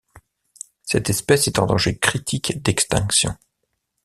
Cette espèce est en danger critique d'extinction.